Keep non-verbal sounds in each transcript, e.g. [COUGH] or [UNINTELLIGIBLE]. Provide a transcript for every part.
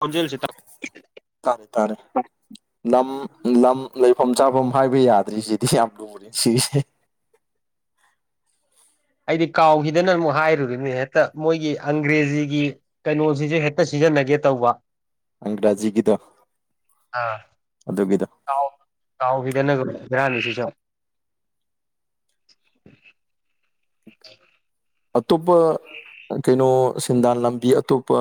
ꯈꯣꯟꯖꯦꯜꯁꯤ ꯇꯥ ꯇꯥꯔꯦ ꯇꯥꯔꯦ ꯅꯝ ꯂꯝ ꯂꯩꯐꯝ ꯆꯥꯐꯝ ꯍꯥꯏꯕ ꯌꯥꯗ꯭ꯔꯤꯁꯤꯗꯤ ꯌꯥꯝ ꯂꯨꯨꯔꯦ ꯁꯤꯁꯦ ꯑꯩꯗꯤ ꯀꯥꯎꯈꯤꯗꯅ ꯑꯃꯨꯛ ꯍꯥꯏꯔꯨꯔꯤꯅꯦ ꯍꯦꯛꯇ ꯃꯣꯏꯒꯤ ꯑꯪꯒ꯭ꯔꯦꯖꯤꯒꯤ ꯀꯩꯅꯣꯁꯤꯁꯦ ꯍꯦꯛꯇ ꯁꯤ ꯁꯤꯖꯤꯟꯅꯒꯦ ꯇꯧꯕ ꯋꯥ ꯑꯪꯒ꯭ꯔꯥꯖꯤꯒꯤꯗꯣ ꯑꯗꯨꯒꯤꯗꯣ ꯀꯥꯎꯒꯤꯗꯅ ꯕꯦꯔꯥꯅꯤ ꯁꯤꯁꯨ [INAUDIBLE] ꯑꯇꯣꯞꯄ ꯀꯩꯅꯣ ꯁꯦꯟꯗꯥꯟ ꯂꯝꯕꯤ ꯑꯇꯣꯞꯄ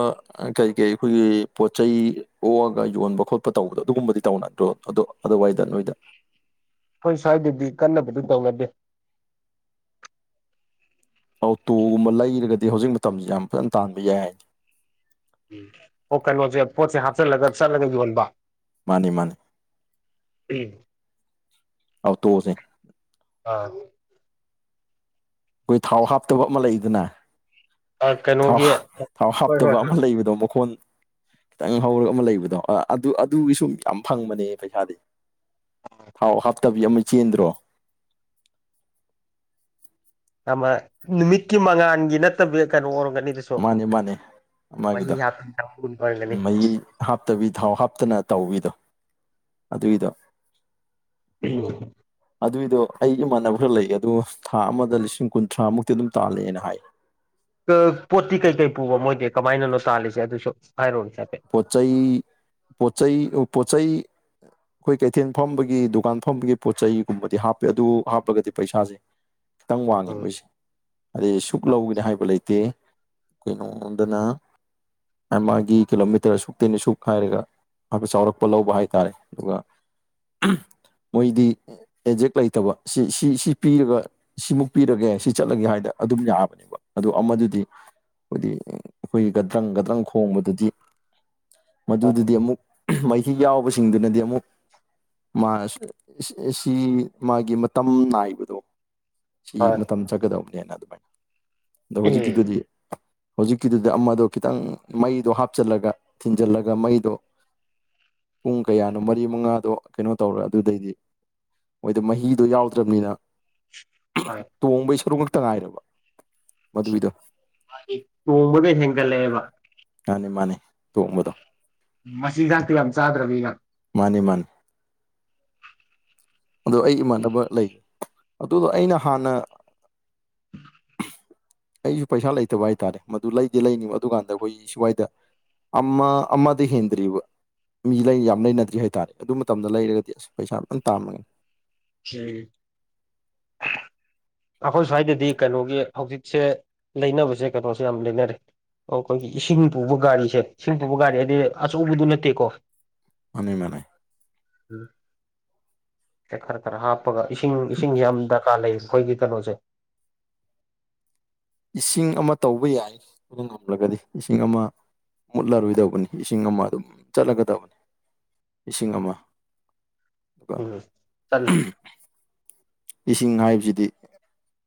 ꯀꯔꯤ ꯀꯔꯤ ꯑꯩꯈꯣꯏꯒꯤ ꯄꯣꯠ ꯆꯩꯩ ꯑꯣꯑꯒ ꯌꯣꯟꯕ ꯈꯣꯠꯄ ꯇꯧꯕꯗꯣ ꯑꯗꯨꯒꯨꯝꯕꯗꯤ ꯇꯧꯅꯗꯨ꯭ꯔꯣ ꯑꯗꯣ ꯑꯗꯨꯋꯥꯏꯗ ꯅꯣꯏꯗ ꯍꯣꯏ ꯁ꯭ꯋꯥꯏꯗꯗꯤ ꯀꯟꯅꯕꯨꯗꯤ ꯇꯧꯅꯗꯦ ꯑꯣꯇꯣꯒꯨꯝꯕ ꯂꯩꯔꯒꯗꯤ ꯍꯧꯖꯤꯛ ꯃꯇꯝꯁꯦ ꯌꯥꯝ ꯐꯖꯅ ꯇꯥꯟꯕ ꯌꯥꯏ ꯑꯨꯝ ꯑꯣ ꯀꯩꯅꯣꯁꯦ ꯄꯣꯠꯁꯦ ꯍꯥꯞꯆꯤꯜꯂꯒ ꯆꯠꯂꯒ ꯌꯣꯟꯕ ꯃꯥꯅꯤ ꯃꯥꯅꯤ ꯑꯨꯝ ꯑꯧ ꯇꯣꯛꯑꯁꯦ ꯑꯥ ꯏꯣꯢ ꯊꯥꯎ ꯍꯥꯞꯇꯕ ꯑꯃ ꯂꯩꯗꯅ ꯊꯥꯎ ꯀꯩꯅꯣꯒꯤ ꯍ ꯊꯥꯎ ꯍꯣꯏ ꯍꯣꯏ ꯍꯥꯞꯇꯕ ꯍꯣꯏ ꯑꯃ ꯂꯩꯕꯗꯣ ꯃꯈꯣꯟ ꯈꯤꯇꯪ ꯍꯧꯔꯒ ꯑꯃ ꯂꯩꯕꯗꯣ ꯑ ꯑꯗꯨ ꯑꯗꯨꯒꯤꯁꯨꯨ ꯌꯥꯝ ꯐꯪꯕꯅꯦ ꯄꯩꯁꯥꯗꯤ ꯊꯥꯎ ꯍꯥꯞꯇꯕꯤ ꯑꯃ ꯆꯦꯟꯗ꯭ꯔꯣ ꯑꯃ ꯅꯨꯃꯤꯠꯀꯤ ꯃꯉꯥꯥꯟꯒꯤ ꯅꯠꯇꯕꯤ ꯀꯩꯅꯣ ꯑꯣꯏꯔꯝꯒꯅꯤ ꯑꯗꯨꯁꯨ ꯃꯥꯅꯦ ꯃꯥꯅꯦ ꯃꯍꯤ ꯃꯥꯒꯤꯗꯣ ꯍꯥꯞꯄꯒꯨꯝꯕ ꯑꯣꯏꯔꯝꯒꯅꯤ ꯃꯩ ꯍꯥꯞꯇꯕꯤ ꯊꯥꯎ ꯍꯥꯞꯇꯅ ꯇꯧꯕꯤꯗꯣ ꯑꯗꯨꯒꯤꯗꯣ [UNINTELLIGIBLE] ꯑꯗꯨꯏꯗꯣ ꯑꯩ ꯏꯃꯥꯟꯅꯕ ꯈꯔ ꯂꯩ ꯑꯗꯨ ꯊꯥ ꯑꯃꯗ ꯂꯤꯁꯤꯡ ꯀꯨꯟꯊ꯭ꯔꯥꯃꯨꯛꯇꯤ ꯑꯗꯨꯝ ꯇꯥꯜꯂꯦꯅ ꯍꯥꯏ ꯄꯣꯠꯇꯤ ꯀꯩꯀꯩ ꯄꯨꯕ ꯃꯣꯏꯗꯤ ꯀꯃꯥꯏꯅꯅꯣ ꯇꯥꯜꯂꯤꯁꯦ ꯑꯗꯨꯁꯨ ꯍꯥꯏꯔꯣꯅꯦ ꯍꯥꯏꯐꯦꯠ ꯄꯣꯆꯩꯩ ꯄꯣꯆꯩ ꯑꯣ ꯄꯣ ꯆꯩꯩ ꯑꯩꯈꯣꯏ ꯀꯩꯊꯦꯜ ꯐꯝꯕꯒꯤ ꯗꯨꯀꯥꯟ ꯐꯝꯕꯒꯤ ꯄꯣꯠ ꯆꯩꯒꯨꯝꯕꯗꯤ ꯍꯥꯞꯄꯦ ꯑꯗꯨ ꯍꯥꯞꯄꯒꯗꯤ ꯄꯩꯁꯥꯁꯦ ꯈꯤꯇꯪ ꯋꯥꯡꯉꯦ ꯃꯣꯏꯁꯦ ꯑꯗꯩ ꯁꯨꯛ ꯂꯧꯍꯥꯏꯕꯗꯤ ꯂꯩꯇꯦ ꯀꯅꯣꯝꯗꯅ ꯑ ꯃꯥꯒꯤ ꯀꯤꯂꯣꯃꯤꯇꯔ ꯑꯁꯨꯨꯛꯇꯒꯤꯅ ꯑꯁꯨꯛ ꯍꯥꯏꯔꯒ ꯍꯥꯏꯐꯠ ꯆꯥꯎꯔꯥꯛꯄ ꯂꯧꯕ ꯍꯥꯏꯇꯥꯔꯦ ꯑꯗꯨꯒ ꯑꯍꯝ ꯃꯣꯏꯗꯤ ꯑꯦꯖꯦꯛ ꯂꯩꯇꯕ ꯁꯤ ꯁꯤ ꯁꯤ ꯄꯤꯔꯒ ꯁꯤꯃꯨꯛ ꯄꯤꯔꯒꯦ ꯁꯤ ꯆꯠꯂꯒꯦ ꯍꯥꯏꯗ ꯑꯗꯨꯝ ꯌꯥꯕꯅꯦꯕ ꯑꯗꯣ ꯑꯃꯗꯨꯗꯤ ꯑꯈꯣꯏꯗꯤ ꯑꯩꯈꯣꯏ ꯒꯗ꯭ꯔꯪ ꯒꯗ꯭ꯔꯪ ꯈꯣꯡꯕꯗꯨꯗꯤ ꯎꯝ ꯃꯗꯨꯗꯗꯤ ꯑꯃꯨꯛ ꯃꯍꯤ ꯌꯥꯎꯕꯁꯤꯡꯗꯨꯅꯗꯤ ꯑꯃꯨꯛ ꯃꯥ ꯁꯤꯑꯁꯤ ꯃꯥꯒꯤ ꯃꯇꯝ ꯅꯥꯏꯕꯗꯣ ꯁꯤ ꯍꯣꯏ ꯃꯇꯝ ꯆꯥꯠꯀꯗꯕꯅꯦꯅ ꯑꯗꯨꯝ ꯑꯗꯣ ꯍꯧꯖꯤꯛꯀꯤꯗꯨꯗꯤ ꯍꯧꯖꯤꯛꯀꯤꯗꯨꯗ ꯑꯃꯗꯣ ꯈꯤꯇꯪ ꯃꯩꯗꯣ ꯍꯥꯞꯆꯤꯜꯂꯒ ꯊꯤꯟꯖꯤꯜꯂꯒ ꯃꯩꯗꯣ ꯄꯨꯡ ꯀꯌꯥꯅꯣ ꯃꯔꯤ ꯃꯉꯥꯗꯣ ꯀꯩꯅꯣ ꯇꯧꯔꯦ ꯑꯗꯨꯗꯩꯗꯤ ꯍꯣꯏꯗ ꯃꯍꯤꯗꯣ ꯌꯥꯎꯗ꯭ꯔꯕꯅꯤꯅ [UNINTELLIGIBLE] ꯍꯣꯏ ꯇꯣꯡꯕꯩ ꯁꯔꯨꯛ ꯉꯛꯇ ꯉꯥꯏꯔꯕ ꯃꯗꯨꯒꯤꯗꯣ ꯃꯥꯗꯤꯇꯣꯡꯕꯒ ꯍꯦꯟꯒꯠꯂꯛꯑꯦꯕ ꯃꯥꯅꯤ ꯃꯥꯅꯤ ꯇꯣꯡꯕꯗꯣ ꯃꯆꯤꯟꯖꯥꯛꯇꯤ ꯌꯥꯝ ꯆꯥꯗ꯭ꯔꯕꯅꯤꯅ ꯅꯤ ꯃꯥꯟ ꯑꯗꯣ ꯑꯩ ꯏꯃꯥꯟꯅꯕ ꯂꯩ ꯑꯗꯨꯒ ꯑꯩꯅ ꯍꯥꯟꯅ ꯑꯩꯁꯨ ꯄꯩꯁꯥ ꯂꯩꯇꯕ ꯍꯥꯏꯇꯥꯔꯦ ꯃꯗꯨ ꯂꯩꯗꯤ ꯂꯩꯅꯤꯕ ꯑꯗꯨꯀꯥꯟꯗ ꯑꯩꯈꯣꯏꯒꯤ ꯁ꯭ꯋꯥꯏꯗ ꯑꯃ ꯑꯃꯗꯤ ꯍꯦꯟꯗ꯭ꯔꯤꯕ ꯃꯤ ꯂꯩ ꯌꯥꯝꯅ ꯂꯩꯅꯗ꯭ꯔꯤ ꯍꯥꯏꯇꯥꯔꯦ ꯑꯗꯨ ꯃꯇꯝꯗ ꯂꯩꯔꯒꯗꯤ ꯑꯁ ꯄꯩꯁꯥ ꯐꯖꯅ ꯇꯥꯟꯒꯅꯤ ꯌꯥꯢꯌꯦ ꯑꯩꯈꯣꯏ ꯁ꯭ꯋꯥꯏꯗꯗꯤ ꯀꯩꯅꯣꯒꯤ ꯍꯧꯖꯤꯛꯁꯦ ꯂꯩꯅꯕꯁꯦ ꯀꯩꯅꯣꯁꯦ ꯌꯥꯝ ꯂꯩꯅꯔꯦ ꯑꯧ ꯑꯩꯈꯣꯏꯒꯤ ꯏꯁꯤꯡ ꯄꯨꯕ ꯒꯥꯔꯤꯁꯦ ꯏꯁꯤꯡ ꯄꯨꯕ ꯒꯥꯔꯤ ꯍꯥꯏꯗꯤ ꯑꯆꯧꯕꯗꯨ ꯅꯠꯇꯦꯀꯣ ꯃꯅꯤ ꯃꯅꯦ ꯈꯔ ꯈꯔ ꯍꯥꯞꯄꯒ ꯏꯁꯤꯡ ꯏꯁꯤꯡꯁꯦ ꯌꯥꯝ ꯗꯔꯀꯥꯔ ꯂꯩꯌꯦ ꯈꫭꯏꯒꯤ ꯀꯅꯣꯖꯦ ꯏꯁꯤꯡ ꯑꯃ ꯇꯧꯕ ꯌꯥꯏ ꯑꯗꯨ ꯉꯝꯂꯒꯗꯤ ꯏꯁꯤꯡ ꯑꯃ ꯃꯨꯠꯂꯔꯣꯏꯗꯧꯕꯅꯤ ꯏꯁꯤꯡ ꯑꯃ ꯑꯗꯨꯝ ꯆꯠꯂꯒꯗꯞꯅꯤ ꯏꯁꯤꯡ ꯑꯃ ꯑꯗꯨꯒ ꯎꯝ ꯆꯠꯂꯦ ꯏꯁꯤꯡ ꯍꯥꯏꯞꯖꯤꯗꯤ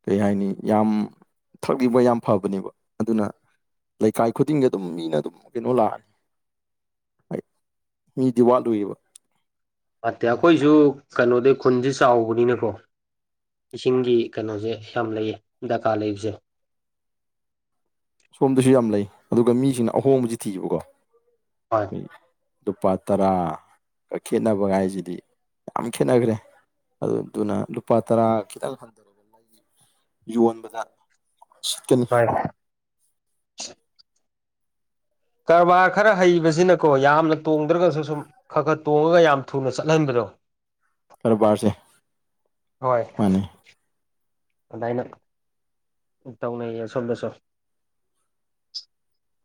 ꯀꯩ ꯍꯥꯏꯅꯤ ꯌꯥꯝ ꯊꯛꯂꯤꯕꫭꯏ ꯌꯥꯝ ꯐꯕꯅꯦꯕ ꯑꯗꯨꯅ ꯂꯩꯀꯥꯏ ꯈꯨꯗꯤꯡꯗ ꯑꯗꯨꯝ ꯃꯤꯅ ꯑꯗꯨꯝ ꯀꯩꯅꯣ ꯂꯥꯛꯑ ꯃꯤꯗꯤ ꯋꯥꯠꯂꫭꯏꯕ ꯋꯥꯠꯇꯦ ꯑꯩꯈꯣꯏꯁꯨ ꯀꯩꯅꯣꯗꯩ ꯈꯨꯟꯁꯦ ꯆꯥꯎꯕꯅꯤꯅꯀꯣ ꯏꯁꯤꯡꯒꯤ ꯀꯅꯣꯖꯦ ꯌꯥꯝ ꯂꯩꯌꯦ ꯗꯀꯥ ꯂꯩꯕꯁꯦ [INAUDIBLE] ꯁꯣꯝꯗꯁꯨ ꯌꯥꯝ ꯂꯩ ꯑꯗꯨꯒ ꯃꯤꯁꯤꯡꯅ ꯑꯍꯣꯡꯕꯁꯤ ꯊꯤꯕꯀꯣ ꯍꯣꯏ ꯂꯨꯄꯥ ꯇꯔꯥ ꯒ ꯈꯦꯠꯅꯕꯒꯥꯏꯖꯤꯗꯤ ꯌꯥꯝ ꯈꯦꯠꯅꯒ꯭ꯔꯦ ꯑꯗꯨꯗꯨꯅ ꯂꯨꯄꯥ ꯇꯔꯥ ꯈꯤꯇꯪ [UNINTELLIGIBLE] ꯌꯣꯟꯕꯗ ꯁꯤꯠꯀꯅꯤ ꯍꯣꯏ ꯀꯔꯕꯥꯔ ꯈꯔ ꯍꯩꯕꯁꯤꯅꯀꯣ ꯌꯥꯝꯅ ꯇꯣꯡꯗ꯭ꯔꯒꯁꯨ ꯁꯨꯝ ꯈꯔ ꯈꯔ ꯇꯣꯡꯉꯒ ꯌꯥꯝ ꯊꯨꯅ ꯆꯠꯍꯟꯕꯗꯣ ꯀꯔꯕꯥꯔꯁꯦ ꯃꯥꯅꯦ ꯑꯗꯥꯢꯅ ꯇꯧꯅꯩꯌꯦ ꯑꯁꯣꯝꯗꯁꯨ [INAUDIBLE]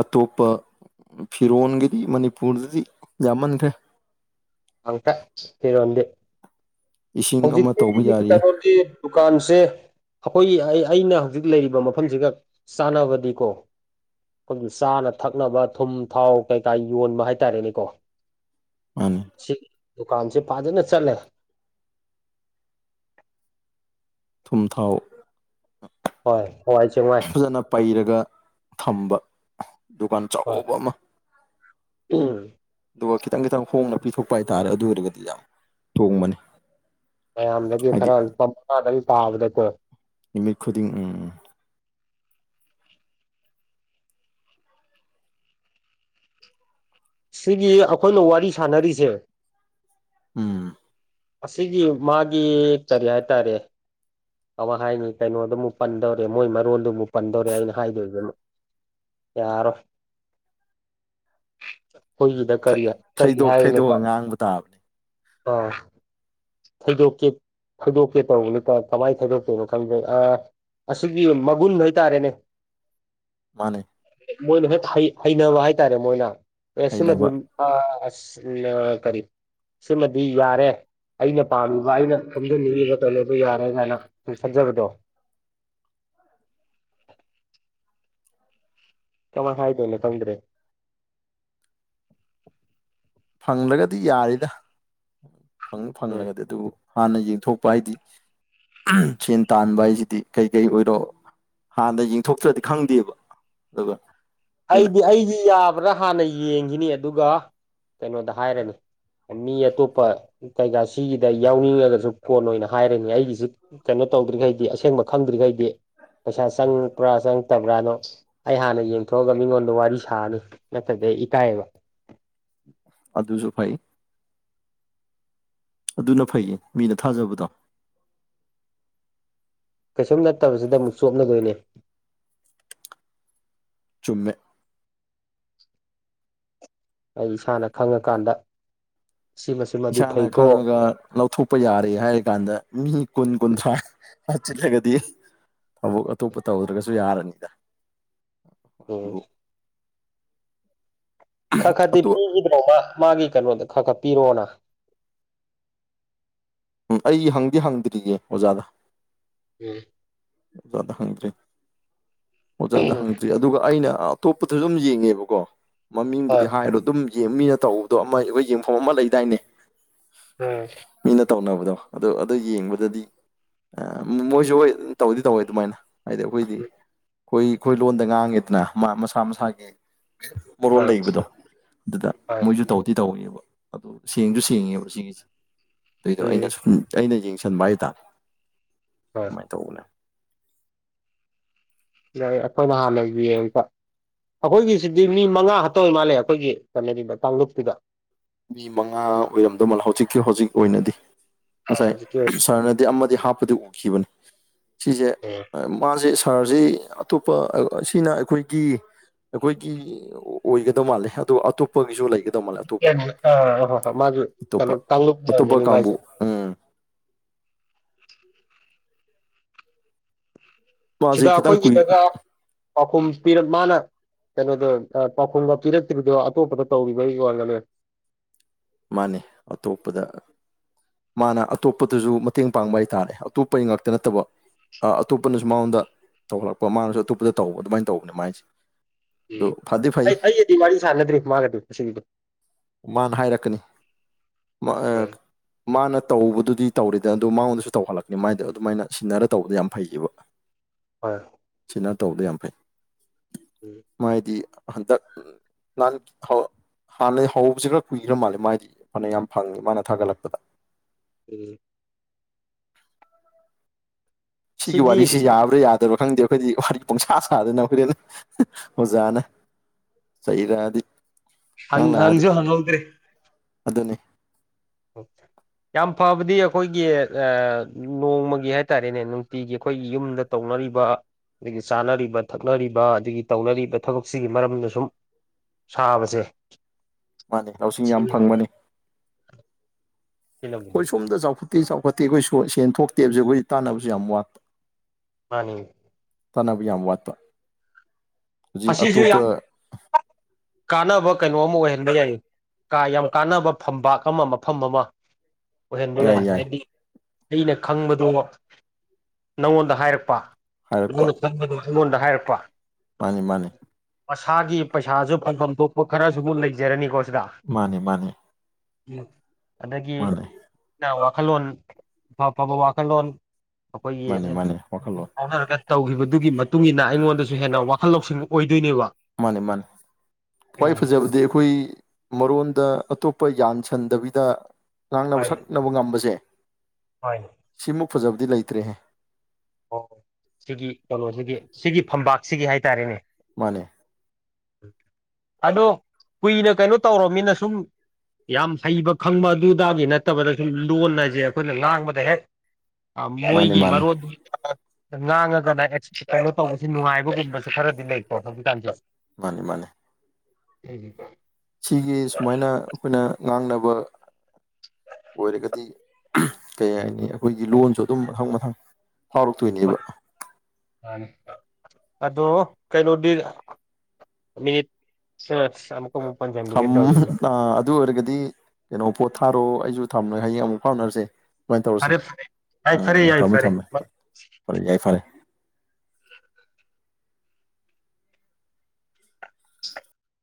ꯑꯇꯣꯞꯄ ꯐꯤꯔꯣꯟꯒꯤꯗꯤ ꯃꯅꯤꯄꯨꯔꯗꯗꯤ ꯌꯥꯝꯃꯟꯈ꯭ꯔꯦ [UNINTELLIGIBLE] ꯐꯤꯔꯣꯟꯗꯤ ꯏꯁꯤꯡ ꯑꯃ ꯍꯧꯖꯤꯛꯇꯤ ꯇꯧꯕ ꯌꯥꯔꯤ ꯀꯩꯅꯣꯗꯤ ꯗꯨꯀꯥꯟꯁꯦ ꯑꯈꯣꯏꯒꯤ ꯑꯩ ꯑꯩꯅ ꯍꯧꯖꯤꯛ ꯂꯩꯔꯤꯕ ꯃꯐꯝꯁꯤꯒ ꯆꯥꯟꯅꯕꯗꯤꯀꯣ ꯑꯈꯣꯏꯒꯤ ꯆꯥꯅ ꯊꯛꯅꯕ ꯊꯨꯝ ꯊꯥꯎ ꯀꯩꯀꯥ ꯌꯣꯟꯕ ꯍꯥꯏꯇꯥꯔꯦꯅꯦꯀꯣ ꯃꯥꯅꯤ ꯁꯤ ꯗꯨꯀꯥꯟꯁꯦ ꯐꯖꯅ ꯆꯠꯂꯦ ꯊꯨꯝ ꯊꯥꯎ ꯍꯣꯏ ꯍꯋꯥꯏ ꯆꯦꯡꯋꯥꯏ ꯐꯖꯅ ꯄꯩꯔꯒ ꯊꯝꯕ ꯗꯨꯀꯥꯟ ꯍꯣꯏ ꯆꯥꯎꯕ ꯑꯃ ꯑꯗꯨꯒ ꯈꯤꯇꯪ ꯈꯤꯇꯪ ꯍꯣꯡꯅ ꯄꯤꯊꯣꯛꯄ ꯍꯥꯏꯇꯥꯔꯦ ꯑꯗꯨ ꯑꯣꯏꯔꯒꯗꯤ ꯌꯥꯝ ꯇꫭꯡꯕꯅꯤ ꯃꯌꯥꯝꯗꯒꯤ ꯈꯔ ꯂꯨꯄꯥ ꯃꯉꯥꯗꯪ ꯇꯥꯕꯗꯀꯣ ꯅꯨꯃꯤꯠ ꯈꯨꯗꯤꯡ ꯎꯝ ꯎꯝ ꯁꯤꯒꯤ ꯑꯈꯣꯏꯅ ꯋꯥꯔꯤ ꯁꯥꯟꯅꯔꯤꯖꯦ ꯎꯝ ꯑꯁꯤꯒꯤ ꯃꯥꯒꯤ ꯀꯔꯤ ꯍꯥꯏꯇꯥꯔꯦ ꯑꯋꯥꯠ ꯍꯥꯏꯅꯤ ꯀꯩꯅꯣꯗꯨꯃꯨꯛ ꯄꯟꯗꯧꯔꯦ ꯃꯣꯏ ꯃꯔꯣꯟꯗꯨꯃꯨꯛ ꯄꯟꯗꯧꯔꯦ ꯑꯩꯅ ꯍꯥꯏꯗꯣꯏꯖꯤꯅ ꯌꯥꯔꯣꯏ [INAUDIBLE] ꯑꯈꯣꯏꯒꯤꯗ ꯀꯔꯤ ꯀꯔꯤ ꯊꯩꯗꯣꯛ ꯍꯥꯏꯒꯅꯤꯀꯣ ꯊꯩꯗꯣꯛꯑ ꯉꯥꯡꯕ ꯇꯥꯕꯅꯤ ꯑꯥ ꯊꯩꯗꯣꯛꯀꯦ ꯊꯩꯗꯣꯛꯀꯦ ꯇꯧꯕꯅꯦ ꯇꯥ ꯀꯝꯃꯥꯏ ꯊꯩꯗꯣꯛꯇꯣꯏꯅꯣ ꯈꯪꯗꯦ ꯑ ꯑꯁꯤꯒꯤ ꯃꯒꯨꯟ ꯍꯥꯏꯇꯥꯔꯦꯅꯦ ꯃꯥꯟꯅꯦ ꯃꯣꯏꯅ [UNINTELLIGIBLE] ꯍꯩꯅꯕ ꯍꯥꯏꯇꯥꯔꯦ ꯃꯣꯏꯅ ꯑꯦ ꯁꯤꯃꯗꯤ ꯍꯩꯅꯕ ꯑ [UNINTELLIGIBLE] ꯀꯔꯤ ꯁꯤꯃꯗꯤ ꯌꯥꯔꯦ ꯑꯩꯅ ꯄꯥꯝꯃꯤꯕ ꯑꯩꯅ ꯈꯣꯝꯖꯟꯅꯤꯡꯉꯤꯕ [UNINTELLIGIBLE] ꯌꯥꯔꯦ ꯍꯥꯏꯅ [UNINTELLIGIBLE] ꯈꯟꯖꯕꯗꯣ ꯀꯃꯥꯢ ꯈꯥꯏꯗꯣꯢꯅꯣ ꯈꯪꯗ꯭ꯔꯦ ꯐꯪꯂꯒꯗꯤ ꯌꯥꯔꯤꯗ ꯎꯝ ꯐꯪꯂꯒꯗꯤ ꯑꯗꯨꯕꯨ ꯍꯥꯟꯅ ꯌꯦꯡꯊꯣꯛꯄ ꯍꯥꯏꯗꯤ ꯁꯦꯟ ꯇꯥꯟꯕ ꯍꯥꯏꯁꯤꯗꯤ ꯀꯩꯀꯩ ꯑꯣꯏꯔꯣ ꯍꯥꯟꯅ ꯌꯦꯡꯊꯣꯛꯇ꯭ꯔꯗꯤ ꯈꯪꯗꯦꯕ ꯑꯗꯨꯒ ꯑꯩꯈꯣꯏꯅ ꯑꯩꯗꯤ ꯑꯩꯗꯤ ꯌꯥꯕ꯭ꯔꯥ ꯍꯥꯟꯅ ꯌꯦꯡꯈꯤꯅꯤ ꯑꯗꯨꯒ ꯀꯩꯅꯣꯗ ꯍꯥꯏꯔꯅꯤ ꯃꯤ ꯑꯇꯣꯞꯄ ꯀꯩꯀꯥ ꯁꯤꯒꯤꯗ ꯌꯥꯎꯅꯤꯡꯉꯒꯁꯨ ꯀꯣꯟ ꯑꯣꯏꯅ ꯍꯥꯏꯔꯅꯤ ꯑꯩꯒꯤꯁꯤ ꯀꯩꯅꯣ ꯇꯧꯗ꯭ꯔꯤꯈꯩꯗꯤ ꯑꯁꯦꯡꯕ ꯈꯪꯗ꯭ꯔꯤꯈꯩꯗꯤ ꯄꯩꯁꯥ ꯆꯪꯕ꯭ꯔꯥ ꯆꯪꯛꯇꯕ꯭ꯔꯥꯅꯣ ꯑꯩ ꯍꯥꯟꯅ ꯌꯦꯡ ꯊꯣꯛꯑꯒ ꯃꯤꯉꯣꯟꯗ ꯋꯥꯔꯤ ꯁꯥꯔꯅꯤ ꯅꯠꯇꯗꯩ ꯑꯩ ꯏꯀꯥꯏꯌꯦꯕ ꯑꯗꯨꯁꯨ ꯐꯩ ꯑꯗꯨꯅ ꯐꯩꯌꯦ ꯃꯤꯅ ꯊꯥꯖꯕꯗꯣ ꯀꯩꯁꯨꯝ ꯅꯠꯇꯕꯁꯤꯗ ꯑꯃꯨꯛ ꯆꯣꯞꯂꯗꯣꯏꯅꯦ ꯆꯨꯝꯃꯦ ꯑꯩ ꯏꯁꯥꯅ ꯈꯪꯉꯀꯥꯟꯗ ꯁꯤꯃꯁꯤꯃꯗꯤ ꯏꯁꯥꯅ ꯐꯩꯀꯣ ꯈꯪꯉꯒ ꯂꯧꯊꯣꯛꯄ ꯌꯥꯔꯦ ꯍꯥꯏꯔ ꯀꯥꯟꯗ ꯃꯤ ꯀꯨꯟ ꯀꯨꯟꯊ꯭ꯔꯥ ꯍꯥꯞꯆꯤꯂꯒꯗꯤ ꯊꯕꯛ ꯑꯇꯣꯞꯄ ꯇꯧꯗ꯭ꯔꯒꯁꯨ ꯌꯥꯔꯅꯤꯗ ꯎꯝ ꯑꯗꯨꯕꯨ ꯈꯥꯈꯥ ꯗꯤ ꯑꯇꯣꯞ ꯄꯤꯈꯤꯗ꯭ꯔꯣ ꯃꯥ ꯃꯥꯒꯤ ꯀꯩꯅꯣꯗ ꯈꯔ ꯈꯔ ꯄꯤꯔꯛꯑꯣꯅ ꯎꯝ ꯑꯩ ꯍꯪꯗꯤ ꯍꯪꯗ꯭ꯔꯤꯌꯦ ꯑꯣꯖꯥꯗ ꯎꯝ ꯑꯣꯖꯥꯗ ꯍꯪꯗ꯭ꯔꯤ ꯑꯣꯖꯥꯗ ꯍꯪꯗ꯭ꯔꯤ ꯑꯗꯨꯒ ꯑꯩꯅ ꯑꯇꯣꯞꯄꯗꯁꯨ ꯑꯗꯨꯝ ꯌꯦꯡꯉꯦꯕꯀꯣ ꯍꯣꯏ ꯃꯃꯤꯡꯕꯨꯗꯤ ꯍꯥꯏꯔꯣ ꯑꯗꯨꯝ ꯃꯤꯅ ꯇꯧꯕꯗꯣ ꯑꯃ ꯑꯩꯈꯣꯏ ꯌꯦꯡꯐꯝ ꯑꯃ ꯂꯩꯗꯥꯏꯅꯦ ꯎꯝ ꯃꯤꯅ ꯇꯧꯅꯕ ꯗꯣ ꯑꯗꯨ ꯑꯗꯨ ꯌꯦꯡꯕꯗꯗꯤ ꯃꯣꯏꯁꯨ ꯍꯣꯏ ꯇꯧꯗꯤ ꯇꯧꯋꯦ ꯑꯗꯨꯃꯥꯏꯅ ꯍꯥꯏꯗꯤ ꯑꯩꯈꯣꯏꯗꯤ ꯑꯩꯈꯣꯏ ꯑꯩꯈꯣꯏ ꯂꯣꯟꯗ ꯉꯥꯡꯉꯤꯗꯅ ꯃꯁꯥ ꯃꯁꯥꯒꯤ ꯃꯔꯣꯟ ꯍꯣꯏ ꯂꯩꯕꯗꯣ ꯑꯗꯨꯗ ꯍꯣꯏ ꯃꯣꯏꯁꯨ ꯇꯧꯗꯤ ꯇꯧꯏꯕ ꯑꯗꯨꯗ ꯁꯦꯡꯁꯨ ꯁꯦꯡꯉꯦꯕ ꯁꯤꯒꯤꯁꯦ ꯑꯗꯨꯗꯣ ꯑꯩꯅ ꯎꯝ ꯁꯨꯝ ꯑꯩꯅ ꯌꯦꯡ ꯁꯟꯕ ꯍꯥꯏꯇꯥꯔꯦ ꯍꯣꯏ ꯁꯨꯃꯥꯏꯅ ꯇꯧꯕꯅꯦ ꯌꯥꯏ ꯑꯩꯈꯣꯏꯅ ꯍꯥꯟꯅ ꯌꯦꯡꯕ ꯑꯩꯈꯣꯏꯒꯤꯁꯤꯗꯤ ꯃꯤ ꯃꯉꯥ ꯍꯥꯇꯧ ꯃꯥꯜꯂꯦ ꯑꯩꯈꯣꯏꯒꯤ ꯀꯩꯅꯣꯗꯨꯗ ꯀꯥꯡꯂꯨꯞꯇꯨꯗ ꯃꯤ ꯃꯉꯥ ꯑꯣꯏꯔꯝꯗꯧꯃꯜ ꯍꯧꯖꯤꯛꯀꯤ ꯍꯧꯖꯤꯛ ꯑꯣꯏꯅꯗꯤ ꯉꯁꯥꯏ ꯍꯧꯖꯤꯛꯀꯤ ꯑꯥ ꯁꯥꯔꯅꯗꯤ ꯑꯃꯗꯤ ꯍꯥꯞꯄꯗꯤ ꯎꯈꯤꯕꯅꯤ ꯁꯤꯁꯦ ꯃꯥꯁꯦ ꯁꯥꯔꯁꯤ ꯑꯇꯣꯞꯄ ꯑꯁꯤꯅ ꯑꯩꯈꯣꯏꯒꯤ ꯑꯩꯈꯣꯏꯒꯤ ꯑꯣꯏꯒꯗꯧ ꯃꯥꯜꯂꯦ ꯑꯣ ꯑꯇꯣꯞꯄꯒꯤꯁꯨ ꯂꯩꯒꯗꯕ ꯃꯥꯜꯂꯦ ꯑꯇꯣꯞꯄ ꯀꯅꯥ ꯀꯅꯥ ꯍꯞꯄꯛꯄ ꯃꯥꯖꯨ ꯑꯇꯣꯞꯄ ꯀꯥꯡꯂꯨꯞ ꯑꯇꯣꯞꯄ ꯂꯩꯒꯅꯤ ꯀꯥꯡꯕꯨ ꯃꯥꯏꯖꯦ ꯎꯝ ꯁꯤꯗ ꯃꯥꯁꯦ ꯈꯤꯇꯪ ꯀꯨꯏ ꯑꯩꯈꯣꯏꯒꯤꯗꯒ ꯄꯥꯎꯈꯨꯝ ꯄꯤꯔ ꯃꯥꯅ ꯀꯩꯅꯣꯗꯣ ꯄꯥꯎꯈꯨꯝꯒ ꯄꯤꯔꯛꯇ꯭ꯔꯤꯕꯗꯣ ꯑꯇꯣꯞꯄꯗ ꯇꯧꯔꯤꯕꯩ ꯑꯣꯏꯔꯝꯒꯅꯤ ꯃꯥꯅꯦ ꯑꯇꯣꯞꯄꯗ ꯃꯥꯅ ꯑꯇꯣꯞꯄꯗꯁꯨ ꯃꯇꯦꯡ ꯄꯥꯡꯕ ꯍꯥꯏꯇꯥꯔꯦ ꯑꯇꯣꯞꯄꯩ ꯉꯥꯛꯇ ꯅꯠꯇꯕ ꯑꯥ ꯑꯇꯣꯞꯄꯅꯁꯨ ꯃꯉꯣꯟꯗ ꯇꯧꯍꯠꯂꯛꯄ ꯃꯥꯅꯁꯨ ꯑꯇꯣꯞꯄꯗ ꯇꯧꯕ ꯑꯗꯨꯃꯥꯏꯅ ꯇꯧꯕꯅꯦ ꯃꯥꯏꯁꯦ ꯑꯗꯨ ꯐꯗꯤ ꯐꯩ ꯑꯩ ꯑꯩꯒꯗꯤ ꯋꯥꯔꯤ ꯁꯥꯟꯅꯗ꯭ꯔꯤ ꯃꯥꯒꯗꯤ ꯉꯁꯤꯒꯤꯗꯤ ꯃꯥꯅ ꯍꯥꯏꯔꯛꯀꯅꯤ ꯃꯥ ꯑꯥ ꯎꯝ ꯃꯅꯥ ꯇꯧꯕꯗꯨꯗꯤ ꯇꯧꯔꯤꯗꯅ ꯑꯗꯨ ꯃꯉꯣꯟꯗꯁꯨ ꯇꯧꯍꯜꯂꯛꯅꯤ ꯃꯥꯏꯗ ꯑꯗꯨꯃꯥꯏꯅ ꯁꯤꯟꯅꯔ ꯇꯧꯕꯗ ꯌꯥꯝ ꯐꯩꯈꯤꯕ ꯍꯣꯏ ꯀꯩꯅꯣ ꯇꯧꯕꯗꯣ ꯌꯥꯝ ꯐꯩ ꯎꯝ ꯃꯥꯥꯏꯗꯤ ꯍꯟꯗꯛ ꯅꯍꯥꯟ ꯍꯥꯟꯅ ꯍꯧꯕꯁꯤ ꯈꯔ ꯀꯨꯏꯈ꯭ꯔ ꯃꯥꯜꯂꯦ ꯃꯥꯏ ꯐꯅ ꯌꯥꯝ ꯐꯪꯉꯤ ꯃꯥꯅ ꯊꯥꯒꯠꯂꯛꯄꯗ ꯎꯝ ꯁꯤꯒꯤ ꯁꯤꯗꯤ ꯋꯥꯔꯤꯁꯤ ꯌꯥꯕ꯭ꯔ ꯌꯥꯗꯕ꯭ꯔ ꯈꯪꯗꯦ ꯑꯩꯈꯣꯏꯗꯤ ꯋꯥꯔꯤ ꯄꯨꯡꯁꯥ ꯁꯥꯗꯅ ꯑꯩꯈꯣꯏꯗꯤ ꯑꯗꯨ ꯑꯣꯖꯥꯅ ꯆꯩꯔꯛꯑꯗꯤ ꯍꯪ ꯍꯪꯖꯨ ꯍꯪꯍꯧꯗ꯭ꯔꯦ ꯑꯗꯨꯅꯦ ꯑꯣ ꯌꯥꯝ ꯐꯕꯗꯤ ꯑꯩꯈꯣꯏꯒꯤ ꯑꯥ ꯅꯣꯡꯃꯒꯤ ꯍꯥꯏꯇꯥꯔꯦꯅꯦ ꯅꯨꯡꯇꯤꯒꯤ ꯑꯩꯈꯣꯏꯒꯤ ꯌꯨꯝꯗ ꯇꯧ ꯅꯔꯤꯕ ꯑꯗꯒꯤ ꯆꯥꯅꯔꯤꯕ ꯊꯛꯅꯔꯤꯕ ꯑꯗꯒꯤ ꯇꯧꯅꯔꯤꯕ ꯊꯕꯛꯁꯤꯒꯤ ꯃꯔꯝꯗ ꯁꯨꯝ ꯁꯥꯕꯁꯦ ꯃꯥꯅꯦ ꯂꯧꯁꯤꯡ ꯌꯥꯝ ꯐꯪꯕꯅꯦ ꯁꯤꯅꯕꯨꯗꯤ ꯑꯩꯈꯣꯏ ꯁꯣꯝꯗ ꯆꯥꯎꯈꯠꯇꯦ ꯆꯥꯎꯈꯠꯇꯦ ꯑꯩꯈꯣꯏ ꯁꯦꯟ ꯊꯣꯛꯇꯦꯕꯁꯦ ꯑꯩꯈꯣꯏ ꯇꯥꯟꯅꯕꯁꯨ ꯌꯥꯝ ꯋꯥꯠꯄ ꯃꯥꯅꯤꯅꯦ ꯇꯥꯅꯕ ꯌꯥꯝ ꯋꯥꯠꯄ ꯍꯧꯖꯤꯛ ꯑꯁꯤꯁꯨ ꯑꯇꯣꯞꯄ ꯌꯥꯝ ꯀꯥꯟꯅꯕ ꯀꯩꯅꯣ ꯑꯃ ꯑꯣꯏꯍꯟꯕ ꯌꯥꯏ ꯀ ꯌꯥꯝ ꯀꯥꯟꯅꯕ ꯐꯝꯄꯥꯛ ꯑꯃ ꯃꯐꯝ ꯑꯃ ꯑꯣꯏꯍꯟꯕ ꯌꯥꯢ ꯌꯥꯏ ꯌꯥꯏ ꯍꯥꯏꯗꯤ ꯑꯩꯅ ꯈꯪꯕꯗꯣ ꯅꯪꯉꯣꯟꯗ ꯍꯥꯏꯔꯛꯄ [UNINTELLIGIBLE] ꯍꯥꯏꯔꯛꯄ ꯑꯩꯉꯣꯟꯗ ꯍꯥꯏꯔꯛꯄ ꯃꯥꯅꯤ ꯃꯥꯅꯤ ꯃꯁꯥꯒꯤ ꯄꯩꯁꯥꯁꯨ ꯐꯪꯐꯝ ꯊꯣꯛꯄ ꯈꯔꯁꯨꯃꯨꯛ ꯂꯩꯖꯔꯅꯤꯀꯣ ꯃꯥꯅꯤ ꯃꯥꯅꯤ ꯎꯝ ꯑꯗꯒꯤ ꯃꯥꯅꯤ ꯋꯥꯈꯜꯂꯣꯟ ꯑꯐꯐꯕ ꯋꯥꯈꯜꯂꯣꯟ ꯑꯩꯈꯣꯏꯒꯤ ꯃꯥꯅꯤ ꯃꯥꯅꯤ ꯄꯥꯎ ꯋꯥꯈꯜꯂꯣꯟ ꯐꯥꯎꯅꯔꯒ ꯇꯧꯈꯤꯕꯗꯨꯒꯤ ꯃꯇꯨꯡ ꯏꯟꯅ ꯑꯩꯉꯣꯟꯗꯁꯨ ꯍꯦꯟꯅ ꯋꯥꯈꯜ ꯂꯧꯁꯤꯡ ꯑꯣꯏꯗꯣꯏꯅꯦꯕ ꯃꯥꯅꯤ ꯃꯥꯅꯤ ꯈ꯭ꯋꯥꯏ ꯎꯝ ꯐꯖꯕꯗꯤ ꯑꯩꯈꯣꯏ ꯃꯔꯣꯟꯗ ꯑꯇꯣꯞꯄ ꯌꯥꯟ ꯁꯟꯗꯕꯤꯗ ꯉꯥꯡꯅꯕ ꯁꯛꯅꯕ ꯉꯝꯕꯁꯦ ꯍꯣꯢꯅꯦ ꯁꯤꯃꯨꯛ ꯐꯖꯕꯗꯤ ꯂꯩꯇ꯭ꯔꯦꯍꯦ ꯑꯣ ꯁꯤꯒꯤ ꯀꯩꯅꯣꯁꯤꯒꯤ ꯁꯤꯒꯤ ꯐꯝꯄꯥꯛꯁꯤꯒꯤ ꯍꯥꯏꯇꯥꯔꯦꯅꯦ ꯃꯥꯅꯦ ꯑꯗꯣ ꯀꯨꯏꯅ ꯀꯩꯅꯣ ꯇꯧꯔꯕꯅꯤꯅ ꯁꯨꯝ ꯌꯥꯝ ꯍꯩꯕ ꯈꯪꯕ ꯑꯗꯨꯗꯥꯒꯤ ꯅꯠꯇꯕꯗ ꯁꯨꯝ ꯂꯣꯟ ꯍꯥꯏꯁꯦ ꯑꯩꯈꯣꯏꯅ ꯉꯥꯡꯕꯗ ꯍꯦꯛ ꯑ ꯃꯥꯅꯦ ꯃꯣꯏꯒꯤ ꯃꯥꯅꯦ ꯃꯔꯣꯟꯗꯣ ꯉꯥꯡꯉꯒꯅ ꯀꯩꯅꯣ ꯇꯧꯕꯁꯦ ꯅꯨꯡꯉꯥꯏꯕꯒꯨꯝꯕꯁꯨ ꯈꯔꯗꯤ ꯂꯩꯀꯣ ꯍꯧꯖꯤꯛꯀꯥꯟꯁꯦ ꯃꯥꯅꯤ ꯃꯥꯅꯤ [UNINTELLIGIBLE] ꯁꯨꯃꯥꯏꯅ ꯑꯩꯈꯣꯏꯅ ꯉꯥꯡꯅꯕ ꯑꯣꯏꯔꯒꯗꯤ ꯑꯍꯝ ꯀꯩ ꯍꯥꯏꯅꯤ ꯑꯩꯈꯣꯏꯒꯤ ꯂꯣꯟꯁꯨ ꯑꯗꯨꯝ ꯃꯊꯪ ꯃꯊꯪ ꯐꯥꯎꯔꯛꯇꯣꯏꯅꯦꯕ ꯑꯗꯣ ꯀꯩꯅꯣꯗꯤ ꯃꯤꯅꯤꯠ ꯁ ꯑꯃꯨꯛ ꯊꯝ ꯄꯟꯁꯤꯟꯈꯤꯕꯩ ꯇꯧꯔꯤꯁꯦ ꯑꯥ ꯑꯗꯨ ꯑꯣꯏꯔꯒꯗꯤ ꯀꯩꯅꯣ ꯄꯣꯊꯥꯔꯣ ꯑꯩꯖꯨ ꯨ ꯊꯝꯔꯒꯦ ꯍꯌꯦꯡ ꯑꯃꯨꯛ ꯐꯥꯎꯅꯔꯁꯦ ꯁꯨꯃꯥꯏꯅ ꯇꯧꯔꯁꯦ ꯐꯔꯦ ꯐꯔꯦ ꯌꯥꯏ ꯐꯔꯦ ꯎꯝ ꯌꯥꯏ ꯊꯝꯃꯦ ꯐꯔꯦ ꯊꯝꯃꯦ ꯐꯔꯦ ꯌꯥꯏꯐꯔꯦ [INAUDIBLE]